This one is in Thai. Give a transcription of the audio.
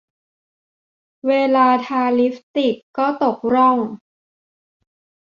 เวลาทาลิปสติกก็ตกร่อง